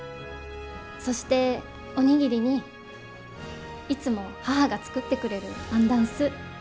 そしてお握りにいつも母が作ってくれるアンダンスー